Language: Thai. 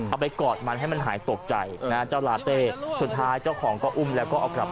เอาไปกอดมันให้มันหายตกใจนะเจ้าลาเต้สุดท้ายเจ้าของก็อุ้มแล้วก็เอากลับ